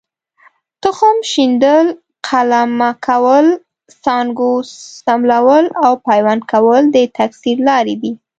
تخم شیندل، قلمه کول، څانګو څملول او پیوند کول د تکثیر لارې دي.